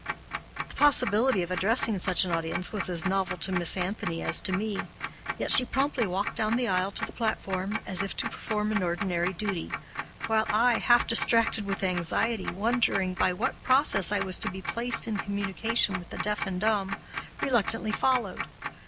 The possibility of addressing such an audience was as novel to Miss Anthony as to me; yet she promptly walked down the aisle to the platform, as if to perform an ordinary duty, while I, half distracted with anxiety, wondering by what process I was to be placed in communication with the deaf and dumb, reluctantly followed.